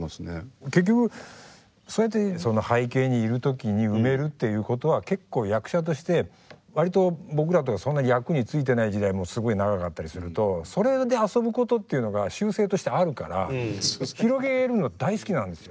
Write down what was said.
結局そうやって背景にいる時に埋めるっていうことは結構役者として割と僕らとかそんな役についてない時代もすごい長かったりするとそれで遊ぶことっていうのが習性としてあるから広げるの大好きなんですよ。